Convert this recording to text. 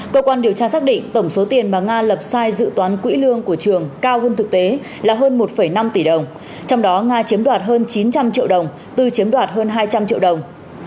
cơ quan điều tra xác định tổng số tiền mà nga lập sai dự toán quỹ lương của trường cao hơn thực tế là hơn một năm tỷ đồng trong đó nga chiếm đoạt hơn chín trăm linh triệu đồng tư chiếm đoạt hơn hai trăm linh triệu đồng